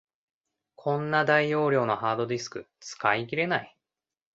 こんな大容量のハードディスク、使い切れない